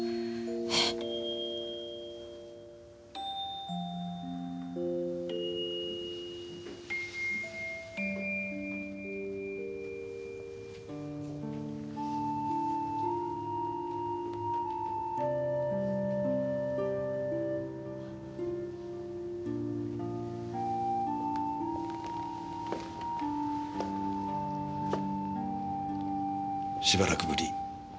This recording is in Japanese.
えっ？しばらくぶり。